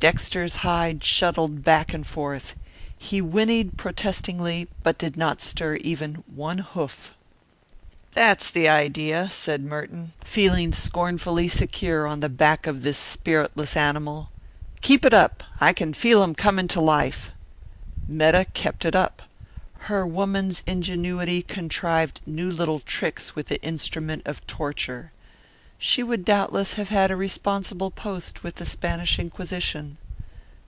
Dexter's hide shuttled back and forth. He whinnied protestingly, but did not stir even one hoof. "That's the idea," said Merton, feeling scornfully secure on the back of this spiritless animal. "Keep it up! I can feel him coming to life." Metta kept it up. Her woman's ingenuity contrived new little tricks with the instrument of torture. She would doubtless have had a responsible post with the Spanish Inquisition.